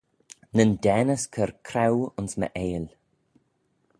Nyn daanys cur craue ayns my eill.